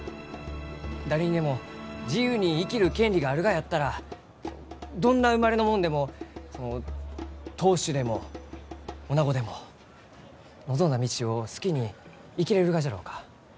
誰にでも自由に生きる権利があるがやったらどんな生まれの者でもその当主でもおなごでも望んだ道を好きに生きれるがじゃろうか？